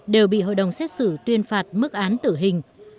đều bị hội đồng xét xử tuyên phạt mức án tử hình